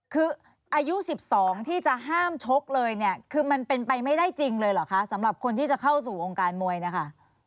คืออายุ๑๒ที่จะห้ามชกเลยเนี่ยคือมันเป็นไปไม่ได้จริงเลยเหรอคะสำหรับคนที่จะเข้าสู่วงการมวยนะคะ